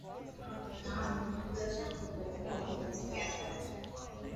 naam na bila shaka watasikia na kuyafanyia kazi na kutambua